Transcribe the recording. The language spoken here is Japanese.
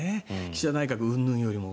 岸田内閣うんぬんよりも。